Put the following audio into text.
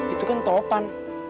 itu kan topan